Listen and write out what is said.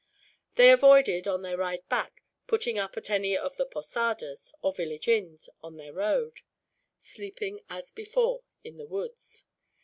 They avoided, on their ride back, putting up at any of the posadas, or village inns, on their road; sleeping, as before, in the woods.